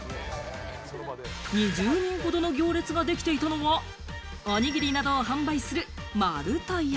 ２０人ほどの行列ができていたのはおにぎりなどを販売する、丸豊。